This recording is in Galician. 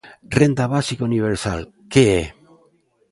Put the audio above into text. Renda Básica Universal: que é?